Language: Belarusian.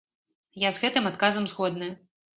Я з гэтым адказам згодная.